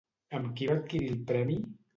Amb qui va adquirir el premi?